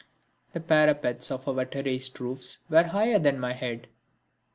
The parapets of our terraced roofs were higher than my head.